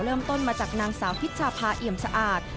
เริ่มต้นมาจากนางสาวพิชชาพาเอี่ยมสะอาด